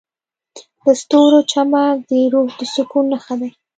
د ستورو چمک د روح د سکون نښه ده.